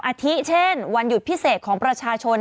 อาทิเช่นวันหยุดพิเศษของประชาชน